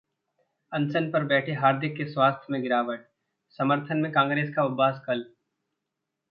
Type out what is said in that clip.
अनशन पर बैठे हार्दिक के स्वास्थ्य में गिरावट, समर्थन में कांग्रेस का उपवास कल